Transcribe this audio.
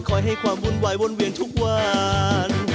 ให้ความวุ่นวายวนเวียนทุกวัน